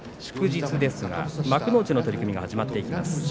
祝日ですが幕内の取組が始まっていきます。